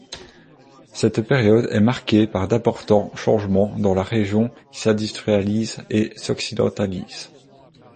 Cette période est marquée par d'importants changements dans la région qui s'industrialise et s'occidentalise.